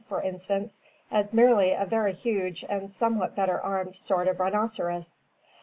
167), for instance, as merely a very huge and somewhat better armed sort of rhinoceros.